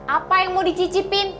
apa yang mau dicicipin